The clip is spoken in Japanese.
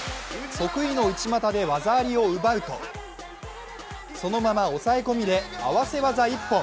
得意の内股で技ありを奪うとそのまま押さえ込みで合わせ技一本。